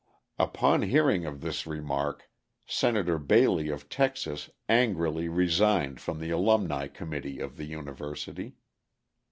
Upon hearing of this remark Senator Bailey of Texas angrily resigned from the alumni committee of the University.